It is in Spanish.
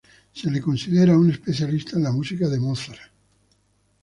Se le considera un especialista en la música de Mozart.